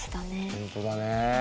本当だね。